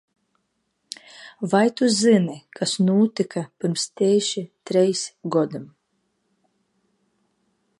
Vai tu zini, kas notika pirms tieši trīs gadiem?